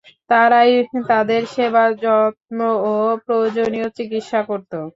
তারাই তাদের সেবা যত্ন ও প্রয়োজনীয় চিকিৎসা করত।